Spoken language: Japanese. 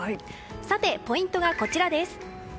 さて、ポイントがこちらです。